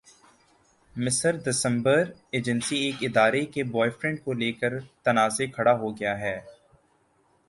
مصر دسمبرایجنسی ایک اداکارہ کے بوائے فرینڈ کو لیکر تنازعہ کھڑا ہو گیا ہے